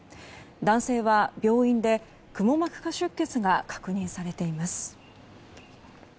男性は病院で、くも膜下出血が確認されています。